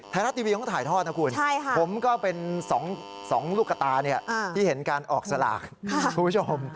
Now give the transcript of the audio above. ไทยรัฐทีวีต้องถ่ายทอดนะคุณผมก็เป็น๒ลูกกระตาที่เห็นการออกสลากคุณผู้ชม